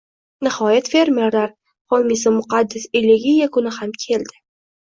Nihoyat, fermerlar homiysi Muqaddas Eligiya kuni ham keldi